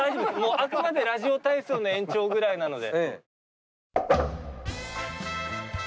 あくまでラジオ体操の延長ぐらいなので。